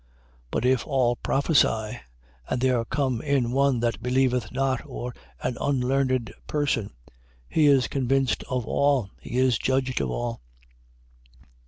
14:24. But if all prophesy, and there come in one that believeth not or an unlearned person, he is convinced of all: he is judged of all.